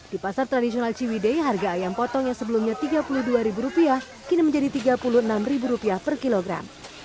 di pasar tradisional ciwidey harga ayam potong yang sebelumnya tiga puluh dua rupiah kini menjadi tiga puluh enam rupiah per kilogram